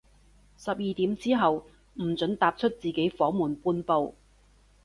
十二點之後，唔准踏出自己房門半步